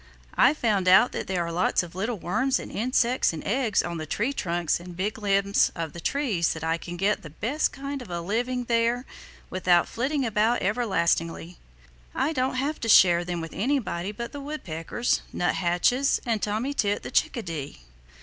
I've found out that there are lots of little worms and insects and eggs on the trunks and big limbs of the trees and that I can get the best kind of a living there without flitting about everlastingly. I don't have to share them with anybody but the Woodpeckers, Nuthatches, and Tommy Tit the Chickadee."